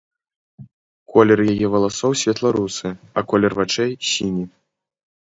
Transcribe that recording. Колер яе валасоў светла-русы, а колер вачэй сіні.